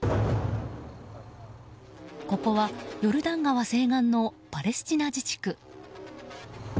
ここはヨルダン川西岸のパレスチナ自治区。